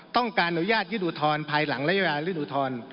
ต้องการอนุญาตณยุดุทธรณ์พายหลังรายวามรุ่นดุทธรณย์